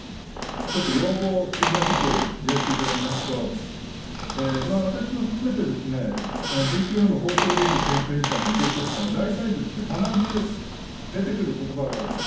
ちょっと要望的なことを言わせていただきますと私も含めてですねＢＰＯの放送倫理検証委員会の意見書ってのは大体ですね必ず出て来る言葉があるんです。